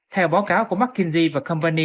theo báo cáo của mckinsey company